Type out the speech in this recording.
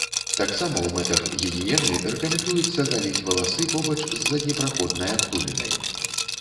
Таксама ў мэтах гігіены рэкамендуецца галіць валасы побач з заднепраходнай адтулінай.